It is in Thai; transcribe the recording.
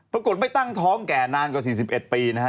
ปรากฏไม่ตั้งท้องแก่นานกว่า๔๑ปีนะฮะ